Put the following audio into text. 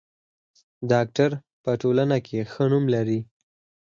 ډاکټر په ټولنه کې ښه نوم لري.